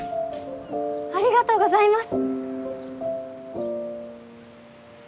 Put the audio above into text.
ありがとうございます！